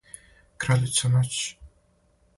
краљица ноћи